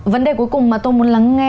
vấn đề cuối cùng mà tôi muốn lắng nghe